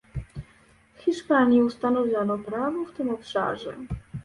W Hiszpanii ustanowiono prawo w tym obszarze